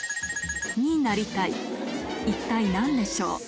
一体何でしょう？